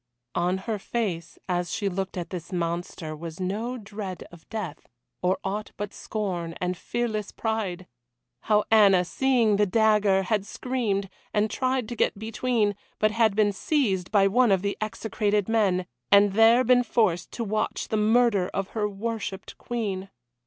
On her face, as she looked at this monster, was no dread of death, or aught but scorn and fearless pride. How Anna, seeing the dagger, had screamed, and tried to get between, but had been seized by one of the execrated men, and there been forced to watch the murder of her worshipped Queen.